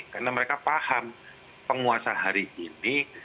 karena mereka paham penguasa hari ini